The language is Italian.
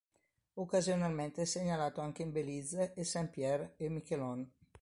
Occasionalmente è segnalato anche in Belize e Saint-Pierre e Miquelon.